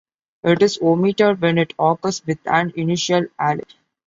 It is omitted when it occurs with an initial 'alif.